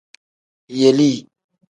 Yelii.